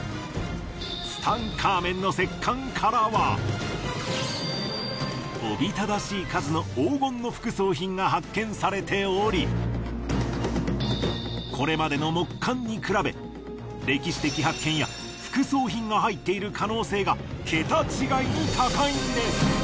ツタンカーメンの石棺からはおびただしい数の黄金の副葬品が発見されておりこれまでの木棺に比べ歴史的発見や副葬品が入っている可能性が桁違いに高いんです。